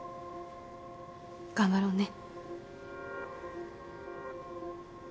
頑張ろうね。